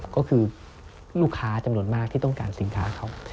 ก็คือลูกค้าจำนวนมากที่ต้องการสินค้าเขา